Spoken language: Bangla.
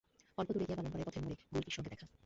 অল্পদূরে গিয়া বামুনপাড়ার পথের মোড়ে গুলকীর সঙ্গে দেখা।